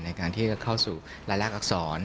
ในการที่จะเข้าสู่รายลักษร